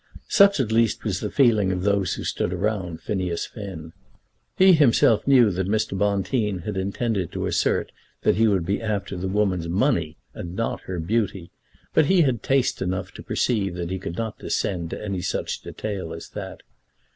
Such at least was the feeling of those who stood around Phineas Finn. He himself knew that Mr. Bonteen had intended to assert that he would be after the woman's money and not her beauty; but he had taste enough to perceive that he could not descend to any such detail as that.